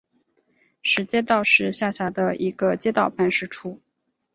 石街道是下辖的一个街道办事处。